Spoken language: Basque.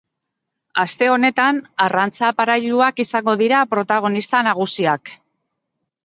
Aste honetan arrantza-aparailuak izango dira protagonista nagusiak.